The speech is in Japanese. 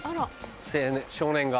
少年が。